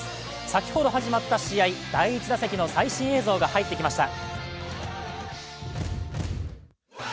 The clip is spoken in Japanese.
先ほど始まった試合、第１打席の最新映像が入ってきました。